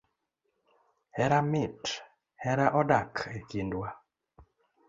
Hera mit, hera odak ekindwa